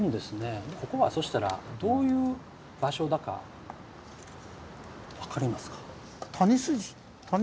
ここはそしたらどういう場所だか分かりますか？